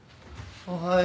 ・おはよう。